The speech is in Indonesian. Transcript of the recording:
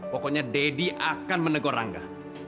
pokoknya deddy akan menegur rangga